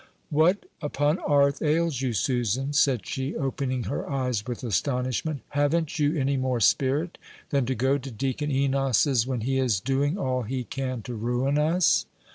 "What upon 'arth ails you, Susan?" said she, opening her eyes with astonishment; "haven't you any more spirit than to go to Deacon Enos's when he is doing all he can to ruin us?"